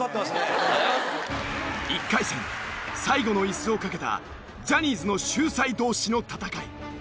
１回戦最後のイスをかけたジャニーズの秀才同士の戦い。